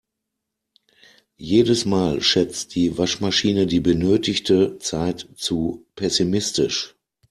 Jedes Mal schätzt die Waschmaschine die benötigte Zeit zu pessimistisch.